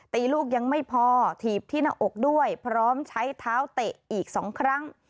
ตีลูกยังไม่พอถีบที่หน้าอกด้วยพร้อมใช้เท้าเตะอีก๒ครั้ง